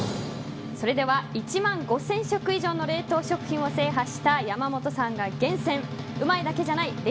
それでは１万５０００食以上の冷凍食品を制覇した山本さんが厳選うまいだけじゃない！